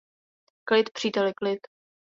Klid, příteli, klid!